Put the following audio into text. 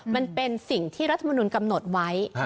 มันเป็นสิ่งที่รัฐมนุนกำหนดไว้